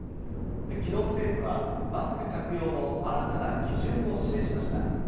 きのう、政府はマスク着用の新たな基準を示しました。